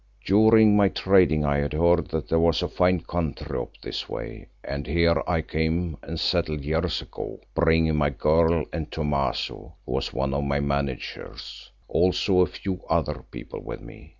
"During my trading I had heard that there was fine country up this way, and here I came and settled years ago, bringing my girl and Thomaso, who was one of my managers, also a few other people with me.